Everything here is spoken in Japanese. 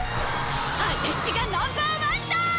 あたしがナンバーワンだ！